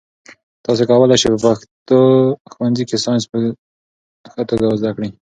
تاسي کولای شئ په ښوونځي کې ساینس په ښه توګه زده کړئ.